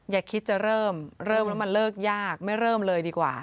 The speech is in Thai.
อย่าคิดจะเริ่มเริ่มแล้วมันเลิกยากไม่เริ่มเลยดีกว่า